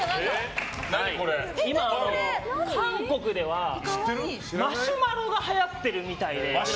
今、韓国ではマシュマロがはやってるみたいで。